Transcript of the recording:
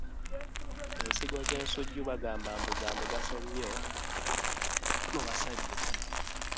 Ensigo z'ensujju bagamba mbu za mugaso nnyo mu basajja.